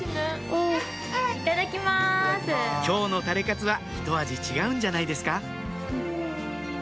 今日のタレカツはひと味違うんじゃないですか？